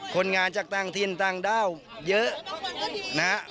คนงานจากต่างถิ่นต่างด้าวเยอะนะฮะ